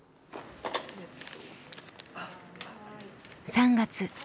３月。